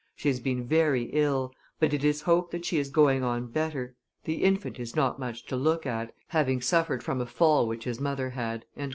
She has been very ill, but it is hoped that she is going on better; the infant is not much to look at, having suffered from a fall which his mother had."